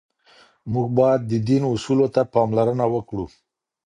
موږ باید د دین اصولو ته پاملرنه وکړو.